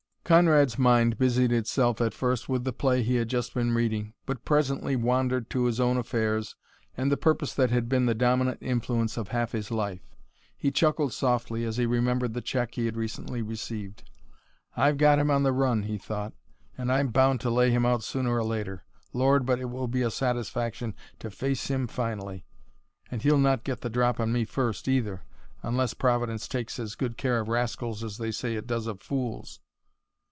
Conrad's mind busied itself at first with the play he had just been reading, but presently wandered to his own affairs and the purpose that had been the dominant influence of half his life. He chuckled softly as he remembered the check he had recently received. "I've got him on the run," he thought, "and I'm bound to lay him out sooner or later. Lord, but it will be a satisfaction to face him finally! And he'll not get the drop on me first, either, unless Providence takes as good care of rascals as they say it does of fools."